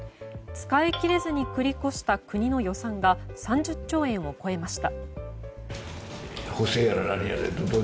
使いきれずに繰り越した国の予算が３０兆円を超えました。